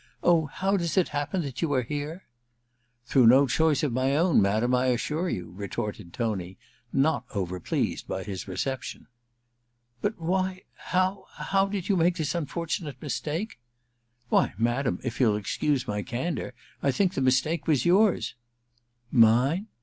*Oh, how does it happen that you are here ?* ^Through no choice of my own, madam, I assure you !* retorted Tony, not overpleased by his reception. *But why — ^how — how did you make this unfortunate mistake ?* 327 328 A VENETIAN NIGHTS ii ^ Why, madam, if youUl excuse my candour, I think the mistake was yours * *Minc?